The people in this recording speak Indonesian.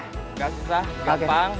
nggak susah gampang